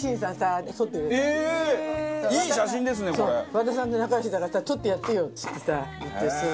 和田さんと仲良しだからさ「撮ってやってよ」っつってさ。へえー！